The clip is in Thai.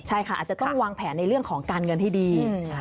ใช่ค่ะอาจจะต้องวางแผนในเรื่องของการเงินให้ดี